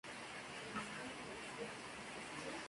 Estas dos aventuras mineras le hicieron un hombre rico.